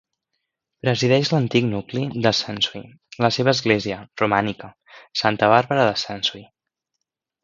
Presideix l'antic nucli de Sensui la seva església, romànica, Santa Bàrbara de Sensui.